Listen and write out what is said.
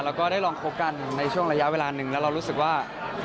แล้วก็ได้ลองคบกันในช่วงระยะเวลาหนึ่งแล้วเรารู้สึกว่า